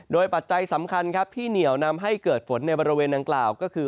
ปัจจัยสำคัญครับที่เหนียวนำให้เกิดฝนในบริเวณดังกล่าวก็คือ